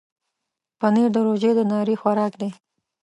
پنېر د روژې د ناري خوراک دی.